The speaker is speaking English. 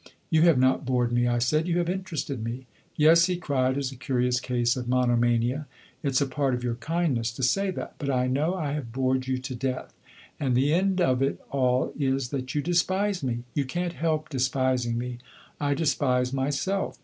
'You have not bored me,' I said; 'you have interested me.' 'Yes,' he cried, 'as a curious case of monomania. It 's a part of your kindness to say that; but I know I have bored you to death; and the end of it all is that you despise me. You can't help despising me; I despise myself.